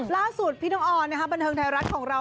ล่าสุดพี่น้องออนบันเทิงไทยรัฐของเรา